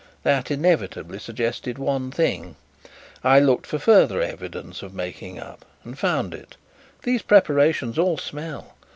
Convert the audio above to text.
That inevitably suggested one thing. I looked for further evidence of making up and found it these preparations all smell.